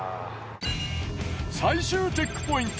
最終チェックポイント